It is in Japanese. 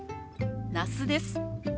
那須です。